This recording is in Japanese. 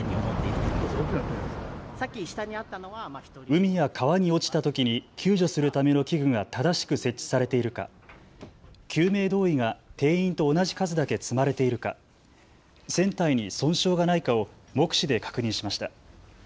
海や川に落ちたときに救助するための器具が正しく設置されているか、救命胴衣が定員と同じ数だけ積まれているか、船体に損傷がないかを目視で確認しました。